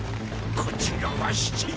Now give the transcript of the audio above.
こちらは七人。